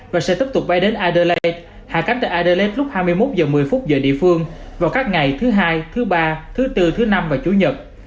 và sẽ tiếp tục bay đến adelaide hạ cánh từ adelaide lúc hai mươi một giờ một mươi phút giờ địa phương vào các ngày thứ hai thứ ba thứ bốn thứ năm và chủ nhật